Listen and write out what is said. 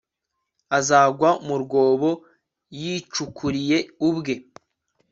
azagwa mu rwobo yicukuriye ubwe